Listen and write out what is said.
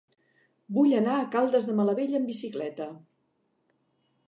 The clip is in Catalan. Vull anar a Caldes de Malavella amb bicicleta.